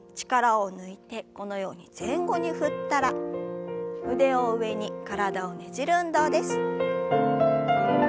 力を抜いてこのように前後に振ったら腕を上に体をねじる運動です。